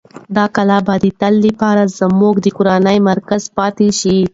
دا کلا به د تل لپاره زموږ د کورنۍ مرکز پاتې شي.